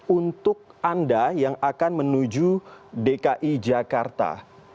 untuk anda yang akan menuju dki jakarta